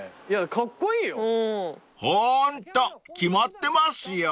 ［ホント決まってますよ］